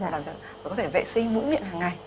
làm cho nó có thể vệ sinh mũi miệng hằng ngày